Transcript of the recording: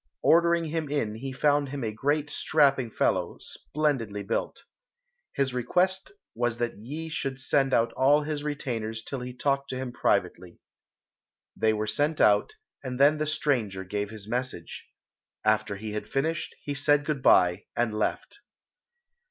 Ordering him in he found him a great strapping fellow, splendidly built. His request was that Yi should send out all his retainers till he talked to him privately. They were sent out, and then the stranger gave his message. After he had finished, he said good bye and left.